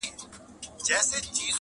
ستا بې لیدلو چي له ښاره وځم,